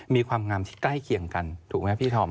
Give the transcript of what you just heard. มีความงามที่ใกล้เคียงกันถูกไหมพี่ธอม